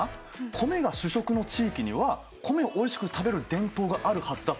米が主食の地域には米をおいしく食べる伝統があるはずだってことだ。